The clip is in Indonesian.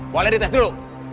boleh dites dulu